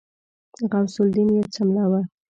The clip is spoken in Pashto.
غوث الدين يې څملاوه.